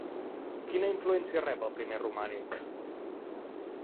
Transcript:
Quina influència rep el primer romànic?